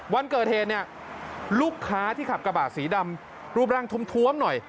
วันเกิดเหตุเนี่ยลูกค้าที่ขับกระบะสีดำรูปร่างท้วมหน่อย